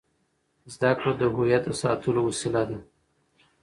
زده کړه د هویت د ساتلو وسیله ده.